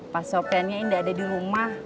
pak sopiannya ini gak ada dirumah